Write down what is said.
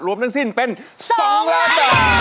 ทั้งสิ้นเป็น๒ล้านบาท